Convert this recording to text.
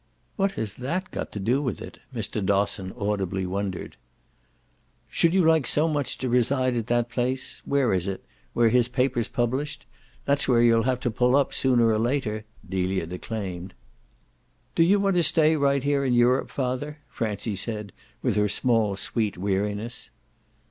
"What has that got to do with it?" Mr. Dosson audibly wondered. "Should you like so much to reside at that place where is it? where his paper's published? That's where you'll have to pull up sooner or later," Delia declaimed. "Do you want to stay right here in Europe, father?" Francie said with her small sweet weariness.